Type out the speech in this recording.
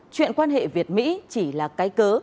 chuyện quan hệ việt mỹ chỉ là cái cớ